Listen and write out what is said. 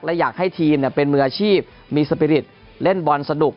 และอยากให้ทีมเป็นมืออาชีพมีสปิริตเล่นบอลสนุก